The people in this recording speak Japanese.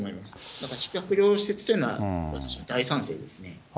だから宿泊療養施設というのは、私は大賛成ですね。